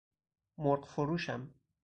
مرغ فروشم